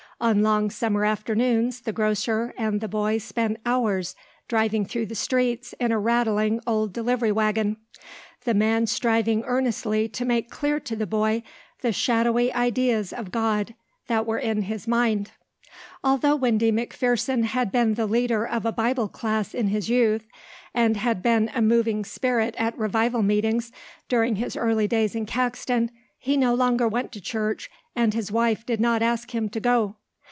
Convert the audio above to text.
On long summer afternoons the grocer and the boy spent hours driving through the streets in a rattling old delivery wagon, the man striving earnestly to make clear to the boy the shadowy ideas of God that were in his mind. Although Windy McPherson had been the leader of a Bible class in his youth, and had been a moving spirit at revival meetings during his early days in Caxton, he no longer went to church and his wife did not ask him to go.